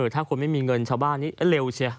ถ้าคุณไม่มีเงินชาวบ้านนี้เร็วเชีย